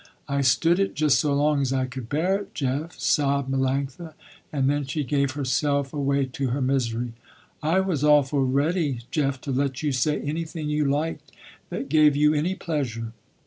"I stood it just so long as I could bear it, Jeff," sobbed Melanctha, and then she gave herself away, to her misery, "I was awful ready, Jeff, to let you say anything you liked that gave you any pleasure.